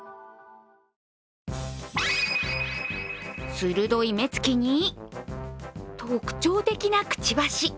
鋭い目つきに特徴的なくちばし。